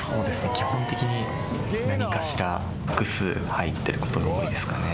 基本的に何かしら複数入ってることが多いですかね。